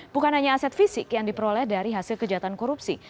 bukan hanya aset fisik yang diperoleh dari hasil kejahatan korupsi